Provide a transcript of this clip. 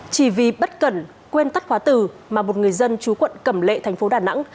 chỉ vì bất cẩn quên tắt khóa từ mà một người dân chú quận cẩm lệ thành phố đà nẵng